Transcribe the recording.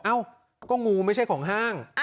เอ้าก็งูไม่ใช่ของห้าง